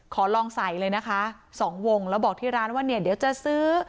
ขอลองใส่เลยนะคะสองวงแล้วบอกที่ร้านว่าเนี่ยเดี๋ยวจะซื้อ